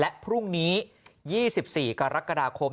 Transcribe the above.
และพรุ่งนี้๒๔กรกฎาคม